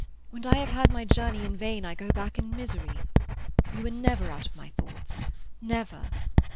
When I have had my journey in vain I go back in misery. You are never out of my thoughts—never."